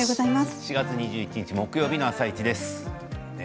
４月２１日木曜日の「あさイチ」です。